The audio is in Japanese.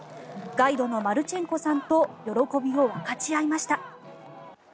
ガイドのマルチェンコさんと喜びを分かち合いました。